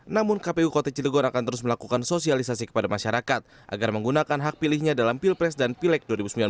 namun kpu kota cilegon akan terus melakukan sosialisasi kepada masyarakat agar menggunakan hak pilihnya dalam pilpres dan pilek dua ribu sembilan belas